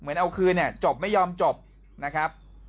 เอาคืนเนี่ยจบไม่ยอมจบนะครับ